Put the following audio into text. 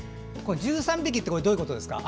１３匹ってどういうことですか？